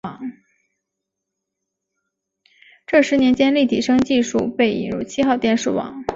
这十年间立体声技术被引入七号电视网。